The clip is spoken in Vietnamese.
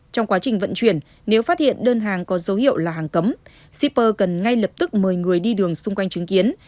trong quá trình vận chuyển nếu phát hiện đơn hàng có dấu hiệu là hàng cấm shipper cần ngay lập tức mời người đi đường xung quanh chứng kiến